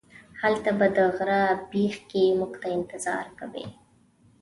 هلته به د غره بیخ کې موږ ته انتظار کوئ.